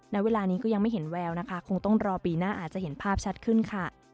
ณเวลานี้ก็ยังไม่เห็นแววนะคะคงต้องรอปีหน้าอาจจะเห็นภาพชัดขึ้นค่ะ